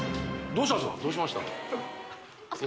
どうしました？